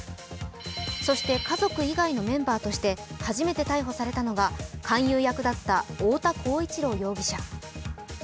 そして、家族以外のメンバーとして初めて逮捕されたのが勧誘役だった太田浩一朗容疑者。